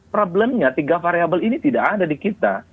problemnya tiga variable ini tidak ada di kita